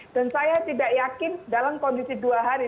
dan saya tidak yakin dalam kondisi dua hari